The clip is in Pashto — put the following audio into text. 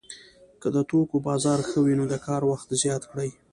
که د توکو بازار ښه وي نو د کار وخت زیات کړي